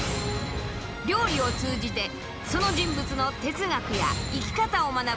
料理を通じてその人物の哲学や生き方を学ぶ